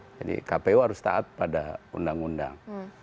jadi kpu harus taat pada undang undang